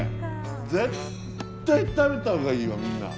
絶対食べた方がいいよみんな。